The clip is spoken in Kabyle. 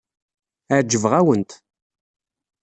Ɛejbeɣ-awent.